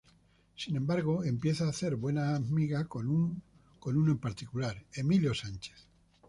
Sin embargo, empieza a hacer buenas migas con uno en particular, Emilio Sánchez.